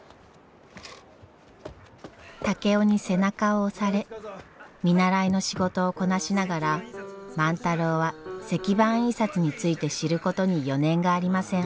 竹雄に背中を押され見習いの仕事をこなしながら万太郎は石版印刷について知ることに余念がありません。